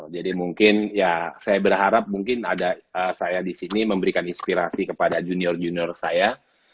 jadi mungkin ya saya berharap mungkin ada saya di sini memberikan inspirasi kepada junior junior saya